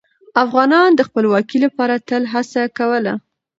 افغانان د خپلواکۍ لپاره تل هڅه کوله.